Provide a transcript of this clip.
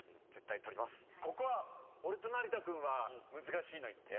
ここは俺と成田君は難しいのいって。